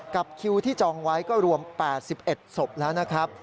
กับคิวที่จองไว้ก็รวม๘๑ศพแล้วนะครับ